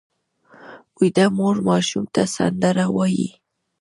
ویده مور ماشوم ته سندره وایي